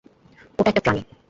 ওটা একটা প্রাণী।